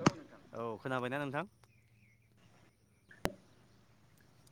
Hello औ औ खोनाबायना नोंथां?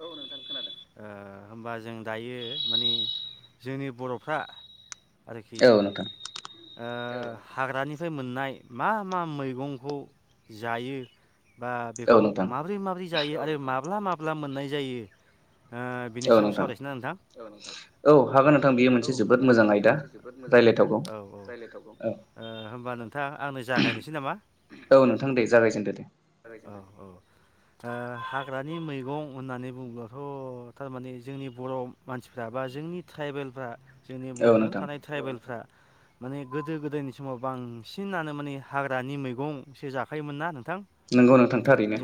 औ नोंथां खोनादों ओ होमबा जों दायो माने जोंनि बर'फ्रा आरोखि ओ हाग्रानिफ्राय मोननाय मा मा मैगंखौ जायो बा बेखौ माबोरै माबोरै जायो आरो माब्ला माब्ला मोननाय जायो ओ बिनि सायाव सावरायसोन ना नोंथां औ नोंथां। औ औ हागोन नोंथां बेयो मोनसे जोबोद मोजां आयदा औ राय्लायथाव ओ नोंथाङ आंनो जागायनोसै नामा? औ औ। ओ हाग्रानि मैगं होननानै बुङ्लाथ' थारमाने जोंनि बर' मानसिफ्रा बा बा जोंनि ट्राइबेलफ्रा जोंनि बड'लेण्ड थानाय ट्राइबेलफ्रा माने गोदो गोदायनि समाव बांसिनानो माने हाग्रानि मैगंसो जाखायोमोन ना नोंथां। नंगौ नोंथां थारैनो।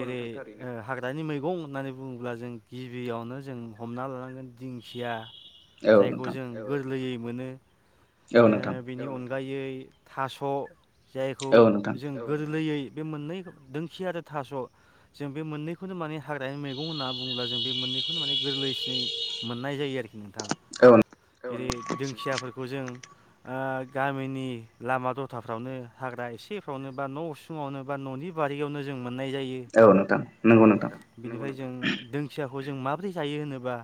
गानि मैगं होननानै बुङोब्ला जों गिबियावनो जों हमना लानांगोन दिंखिया जायखौ जों गोरलैयै मोनो ओ बिनि अनगायै गायै थास' जायखौ जों गोरलैयै बे मोननै दोंखिया आरो थास' जों बे मोननैखौनो माने हाग्रानि मैगं होनना बुङोब्ला जों बे मोननैखौनो माने गोरलै सिनै मोननाय जायो आरोखि नोंथां। जेरै दोंखियाफोरखौ जों आं गामिनि लामा दथाफ्रावनो हाग्रा एसेफ्रावनो बा न' उसुङावनो बा न'नि बारियावनो जों मोननाय जायो। बेनिफ्राय जों दोंखियाखौ खौ जों माबोरै जायो होनोबा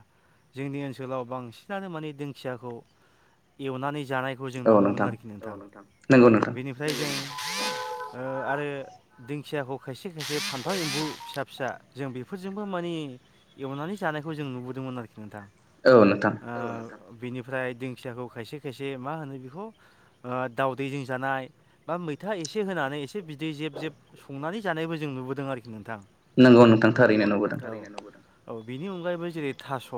जोंनि ओनसोलाव बांसिनानो माने दिंखियाखौ एवनानै जानायखौ जों नुनो मोनो आरोखि नोंथां। बेनिफ्राय जों आरो दिंखियाखौ खायसे खायसे फान्थाव एम्बु फिसा फिसा जों बेफोरजोंबो माने एवनानै जायो। थानायखौ जों नुबोदोंमोन आरोखि नोंथां औ नोंथां। बेनिफ्राय दिंखियाखौ खायसे खायसे मा होनो बेखौ ओ दावदैजों जानाय बा मैथा एसे होनानै एसे बिदै जेब जेब संनानै जानायबो जों नुबोदों आरोखि नोंथां। नंगौ नोंथां थारैनो नुबोदों। औ बिनि अनगायैबो जेरै थास'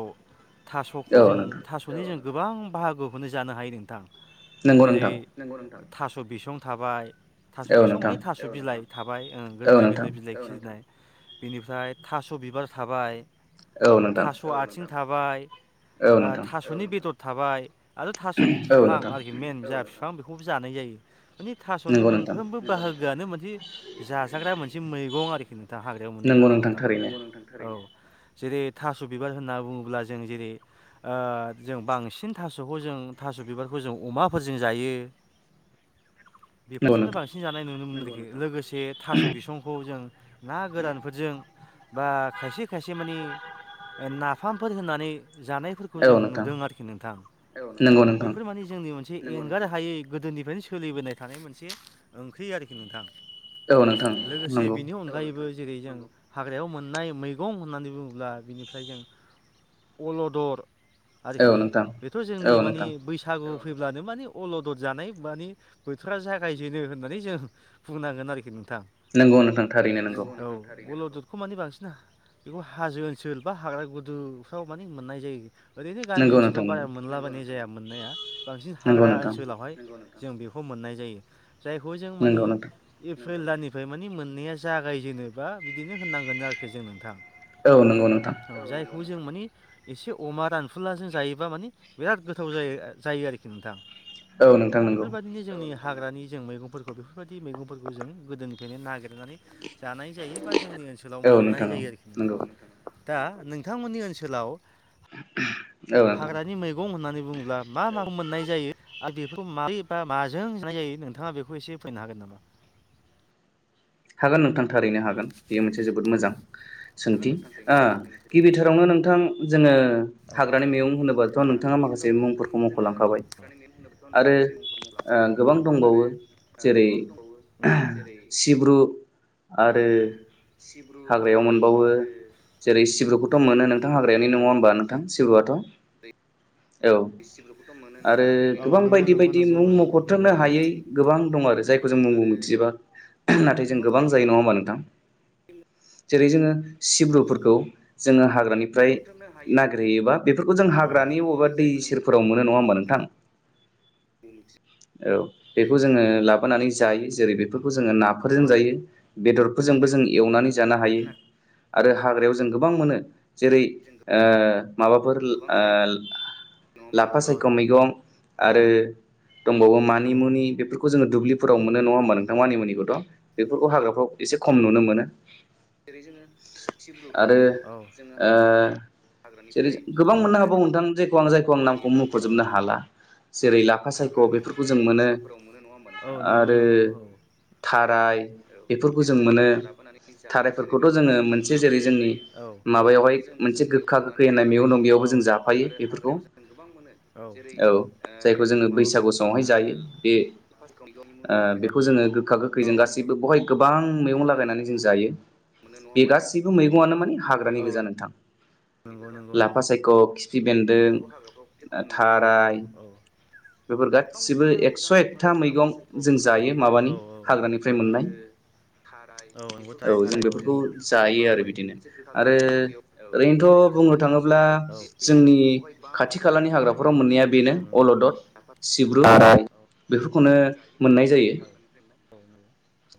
थास'खौ जों थास'नि जों गोबां बाहागोखौनो जानो हायो नोंथां। जेरै- नंगौ नोंथां। थास' बिसं थाबाय थास' बिसं माने थास' बिलाइ थाबाय ओ गोरलै गोरलै बिलाइ खिलिनाय बिनिफ्राय थास' बिबार थाबाय औ नोंथां। थाबाय थास'नि बेदर थाबाय आरो थास' बिफां आरोखि मेन जा बिफां बेखौबो जानाय जायो। माने थास'नि मोनफ्रोमबो बाहागोआनो मोनसे जाजाग्रा मोनसे मैगं आरोखि। दा हाग्रायाव मोननायफोरनि मादाव। नंगौ नोंथां थारैनो। औ। जेरै थास' बिबार होनना बुङोब्ला जों जेरै ओ जों बांसिन थास'खौ जों थास' बिबारखौ जों अमाफोरजों जायो [inaudible] बेफोरजोंनो बांसिन जानाय नुनो मोनो लोगोसे थास' बिसंखौ जों ना गोरानफोरजों बा खायसे खायसे माने नाफामफोर होनानै जानायफोरखौ जों नुदों आरोखि नोंथां। औ। बेफोर माने जोंनि मोनसे मोनसे एंगार हायै गोदोनिफ्रायनो सोलिबोनाय थानाय मोनसे ओंख्रि आरोखि नोंथां। लोगोसे बेनि अनगायैबो जेरै जों हाग्रायाव मोननाय मैगं होननानै बुङोब्ला बिनिफ्राय जों अलदर आरोखि बेथ' जोंनि माने बैसागु फैब्लानो माने अलदर जानाय माने बोथोरा जागायजेनो होननानै जों बुंनांगोन आरोखि नों नंगौ नोंथां थारैनो नोंगौ अलदरखौ माने बांसिन बेखौ हाजो ओनसोल बा हाग्रा गुदुफ्राव माने मोननाय जायो। ओरैनो गामि ओनसोलाव बारा मोनलाबायनाय जाया मोननाया बांसिन हाग्रा ओनसोलावहाय जों बेखौ मोननाय जायो जायखौ जों माने एप्रिल दाननिफ्राय माने मोननाया जागायजेनोबा बिदिनो होननांगोन आरोखि जों नोंथां। औ नंगौ नोंथां। बेखौ जों माने एसे अमा रानफुलाजों जायोबा माने बिराद गोथाव जायो जायो आरोखि नोंथां। औ बेफोरबायददिनो जोंनि हाग्रानि जों मैगंफोरखौ बेफोरबायदि मैगं फोरखौ जों गोदोनिफ्रायनो नागिरनानै जानाय जायो बा जोंनि ओनसोलाव मोननाय जायो आरोखि नथाय दा नोंथांमोननि ओनसोलाव हाग्रानि मैगं होननानै बुङोब्ला मा माखौ मोननाय जायो आरो बेफोरखौ मारै बा माजों जनाय जायो नोंथाङा बेखौ एसे फोरमायनो हागोन नामा हागोन नोंथां थारैनो हागोन बेयो मोनसे जोबोद मोजां सोंथि गिबिथारावनो नोंथां जोङो हाग्रानि मैगं होनोबाथ' नोंथाङा माखासे मुंफोरखौ मख'लांखाबाय आरो दलांबाय आरो गोबां दंबावो जेरै आरो सिब्रु औ औ आरो जेरै सिब्रुखौथ' मोनो नोंथां हाग्रायावानि नङा होनोमबा नोंथां सिब्रुआथ' औ आरो गोबां बायदि बायदि मुं मखथांनो हायै गोबां दङ जायखौ जों मुं मिथि जोबा नाथाय जों गोबां जायो नङा हानबा नोंथां जेरै जोङो सिब्रुफोरखौ जोङो हाग्रानिफ्राय नागिरहैयोबा बेफोरखौ जों हाग्रानि बबेबा दै सेरफोराव मोनो नङा होमबा नोंथां औ बेखौ जोङो लाबोनानै जायो जेरै बेफोरखौ जोङो नाफोरजों जायो। बेदरफोरजोंबो जों एवनानै जानो हायो। आरो हाग्रायाव जों गोबां मोनो जेरै माबाफोर लाफा सायख' मैगं आरो दंबावो मानि मुनि बेफोरखौ खौ जो दुबलिफोराव मोनो नङा होमबा नोंथां मानिमुनिखौथ' बेफोरखौ हाग्राफ्राव एसे खम नुनो मोनो जेरै जोङो सिब्रुफोरखौ जोङो जेरै गोबां मोननो हाबौ नोंथां जायखौ आं जायखौ आं नामखौ मुंख'जोबनो हाला जेरै लाफा सायख' बेफोरखौ जों मोनो आरो थाराइ जों एवनानै जानो हायो आरो हाग्रायाव जों गोबां मोनो जेरै जायखौ जों बैसागु समावहाय जायो बे बेखौ जोङो गोखा गोखैजों गासैबो बहाय गोबां मैगं लागायनानै जों जायो बे गासैबो मैगंनो मा हाग्रानि गोजा नोंथां नंगौ नंगौ नंगौ सि बेन्दों थाराय बेफोर गासिबो एकस' एकथा मैगं जों जायो माबानि हाग्रानिफ्राय मोननाय थाराय गोखा होननाय उन्दैयाव औ बुंनो थाङोब्ला जोंनि आंनि खाथि खालानि हाग्राफोराव मोननाया बेनो अलदद सिब्रु बेफोरखौनो मोननाय जायो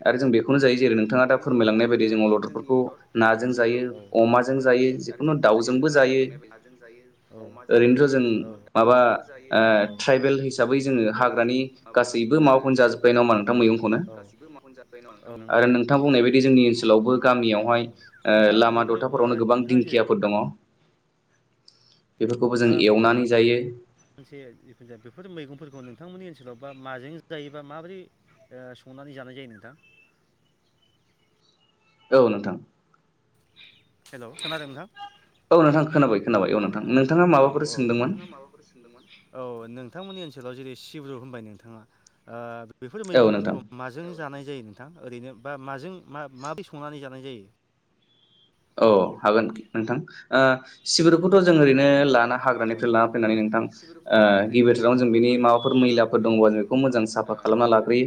आरो जों बेखौनो जायो जेरै नोंथाङा दा फोरमायलांनाय बायदि जों अलदफोरखौ नाजों जायो अमाजों जायो। आरो बेखौनो जायो नोंथाङा दा मोननाय नाजों जायो ओरैनोथ' जों माबा ओ ट्राइबेल हिसाबै जोङो हाग्रानि गासै गासैबो जाजोबखायो नामा नोंथां मैगंखौनो गासिबो माखौनो जाब बे जोंनि ओनसोलावबो गामियावहाय लामा दथाफोरावनो गोबां दिंखियाफोर दङ मा माबा मोन मोनसे जिखुन जाया बेफोर मैगंफोरखौ नोंथांमोननि ओनसोलावबा माजों जायोबा माबोरै संनानै जानाय जायो नोंथां औ नोंथां हेल' खोनादों नोंथां औ नोंथां खोना औ नोंथां खोनाबाय औ औ नोंथाङा माबाफोर सोंदोंमोन औ नोंथांमोननि ओनसोल ओनसोलाव जेरै सिब्रु होनबाय नोंथाङा ओ बेफोर मैगंफोरखौ माजों जानाय जायो नोंथां ओरैनो बा माजों मा माबोरै संनानै जानाय जायो औ हागोन नोंथां ओ सिबोरखौथ' जों ओरैनो लाना हाग्रानिफ्राय लाना फैनानै नोंथां ओ गिबिथेरावनो जों बेनि माबाफोर मैलाफोर दङबा जों बेखौ मोजां साफा खालामना लाग्रोयो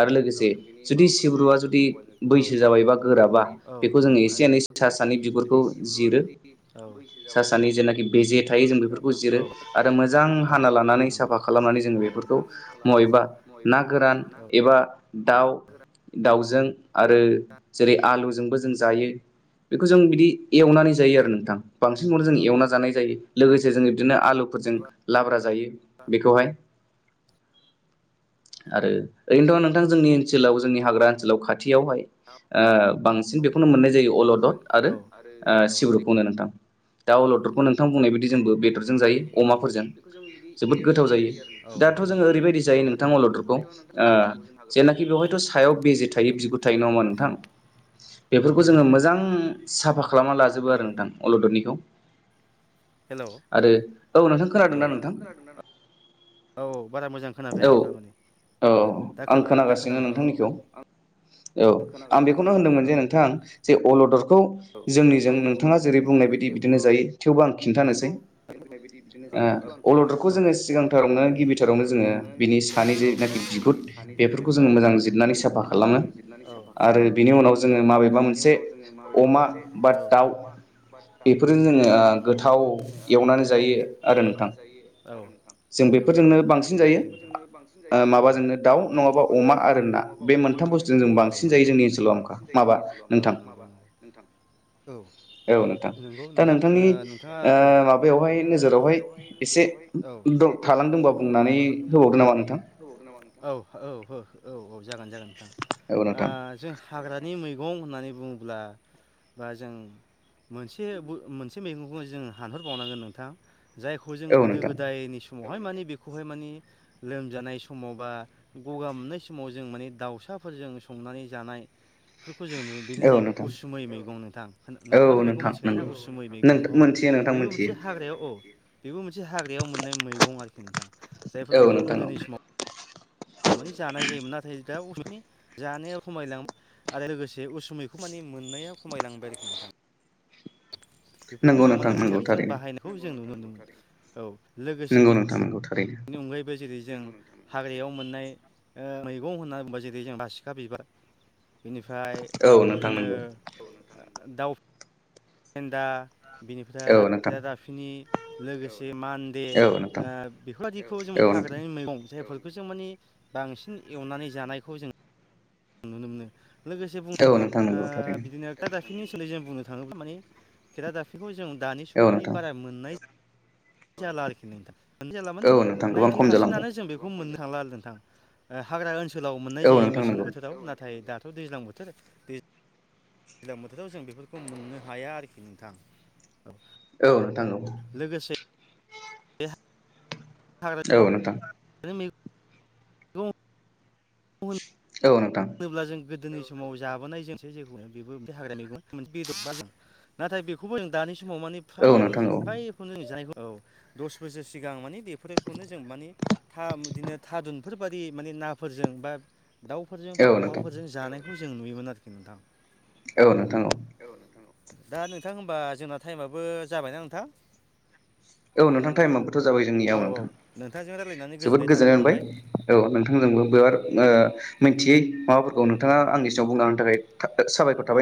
आरो लोगोसे जुदि सिब्रुआ जुदि बैसो जाबायबा गोराबा बेखौ जोङो एसे एनै जुदि सिब्रुआ जुदि औ बैसो जाबाय [unintelligible] बे जे थायो जों बेफोरखौ जिरो आरो मोजां हाना लानानै साफा खालामनानै जोङो बेफोरखौ मै एबा ना गोरान एबा दाउ दाउजों आरो जेरै आलुजोंबो जों जायो। बेखौ जों बिदि एवनानै जायो आरो नोंथां बांसिनखौनो जों एवना जानाय जायो लोगोसे जों बिदिनो आलुफोरजों लाब्रा जायो बेखौहाय आरो ओरैनोथ' नोंथां जोंनि ओनसोलाव जोंनि हाग्रा ओनसोलाव खाथि खाथियावहाय बांसिन बेखौनो मोननाय जायो अलदर आरो ओ सिब्रुखौ नोंथां दा अलदरखौ नोंथां बुंनाय बादि जोंबो बेदरजों जायो अमाफोरजों जोबोद गोथाव जायो दाथ' जोङो ओरैबायदि जायो नोंथां जेनाखि बेवहायथ' सायाव बेजे थायो बिगुर थायो नङा होमबा नोंथां बेफोरखौ जोङो मोजां साफा खालामना लाजोबो आरो नोंथां अलददनिखौ आरो औ नोंथां खोनादों ना नोंथां औ बारा मोजां खोनाफैयाखै थारमाने औ दा खोनाय औ दा खोनाबाय औ आं बेखौनो होनदोंमोन जे नोंथां जे अलदर बेखौ जोंनिजों नोंथाङा जेरै बुंनाय बदि बिदिनो जायो थेवबो आं खिन्थानोसै नाय बायदि बिदिनो [unintelligible] अलदखौ जोङो सिगांथार संनानै गिबिथाराव बिनि सानि जेनाखि [unintelligible] बेफोरखौ जोङो मोजां जिरनानै साफा खालामो आरो बिनि उनाव जोङो [unintelligible] जे अमा बा दाउ औ नंगौ औ ओ गोथाव संनानै जायो औ नोंथां औ नंगौ नंगौ थारैनो बेफोरजोंनो बांसिन जायो। माबाजोंनो दाउ नङाबा अमा आरो ना बे मोनथाम बुस्थुजों जों बांसिन जायो जोंनि ओनसोलाव आमखा माबा औ माबा औ नोंथां दा नोंथांनि ओ माबायावहाय नोजोरावहाय एसे थालांदोंबा बुंनानै होबावगोन नामा औ औ औ औ जागोन जागोन नोंथा जों हाग्रानि मैगं होननानै बुङोब्ला बा जों मोनसे मोनसे मैगंखौ जों हानहरबावनांगोन नोंथां जायखौ जों गोदो गोदायनि सम बेवहाय माने बेखौहाय माने लोमजानाय समाव बा गगा मोननाय समाव जों माने फोरजों संनानै जानाय बेफोरखौ जों नुयो बेनो जाहै उसुमै मैगं नोंथां नोंथाङाथ' बेखौ मिथिखायोना उसुमै मैगं औ बेबो मोनसे हाग्रायाव औ बेबो मोनसे हाग्रायाव मोननाय मैगं आरोखि नोंथां। जायफोरखौ जों गोदोनि समाव माने जानाय जायोमोन नाथाय दा उसु जानाया खमायलाङो आरो लोगोसे उसु मैगं [unintelligible] मोननाया खमायलांबाय बेफोरखौ जों मानि हिसाबै जों बाहायनायखौ जों नुनो मोनदों औ नंगौ नोंथा नंगौ थार बेनि अनगायैबो जेरै जों हाग्रायाव मोननाय मैगं होनना बुंङोबा जेरै जों बासिखा बिबार बेनिफ्राय बिदिनो दाउ फेनदा बेनिफ्राय खेला दाफिनि लोगोसे से मान्दे ओ बेफोरबायदिखौ जोंनि हाग्रानि मैगं जायफोर बेखौ जों माने बांसिन एवनानै जानायखौ जों लोगोसे बुंनो थाङोबा ओ बिदिनो खेरा दाफिनि सोमोनदै जों बुंनो थाङोब्ला माने खेरा दाफिनिखौ जों दानि समाव मानि बारा मोननाय जाला आरोखि नोंथां जाला माने नाइनति पारसेन्त आनो जों बेखौ मोननो थांला नोंथां ओ हाग्रा ओनसोलाव मोननाय जायो मेसें बोथोराव नाथाय दाथ' दैज्लां बोथोर दै दैज्लां बोथोराव जों बेफोरखौ मोननो हाया आरोखि नोंथां औ। औ नोंथां औ। लोगोसे बे औ नोंथां। बे [unintelligible] दं होनोब्ला जों गो दोनि‌ समाव जाबोनाय जों [unintelligible] जेखौ बेबो हाग्रानि मैगं [unintelligible] बेदर बा नाथाय बेखौबो जों दानि समाव माने फ्रायैनो फ्रायखोनो जों जानायखौ [inaudible] दस बोसोर सिगां माने बेफोरखौनो जों माने था बिदिनो थादुनफोर बादि माने नाफोरजों बा दाउफोरजों, बा अमाफोरजों जानायखौ जों नुयोमोन आरोखि नोंथां। औ औ नोंथां औ। दा नोंथां होमबा जोंना टाइमाबो जाबायना नोंथां? औ नोंथां टाइमआबोथ' जाबाय जोंनिया नोंथां। जोबोद गोजोननाय मोनबाय औ नोंथांजोंबो बेराद ओ मिथियै माबाफोरखौ नोंथाङा आंनि सिगांआव बुंनाहोनायनि थाखाय साबायखर थाबाय।